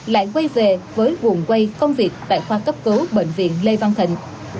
lại quay về với quần quay công việc tại khoa cấp cứu bệnh viện lê văn thịnh